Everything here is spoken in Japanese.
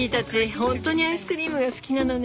本当にアイスクリームが好きなのね。